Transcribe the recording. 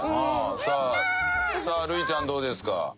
さあルイちゃんどうですか？